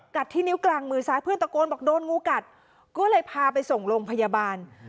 ที่นิ้วกลางมือซ้ายเพื่อนตะโกนบอกโดนงูกัดก็เลยพาไปส่งโรงพยาบาล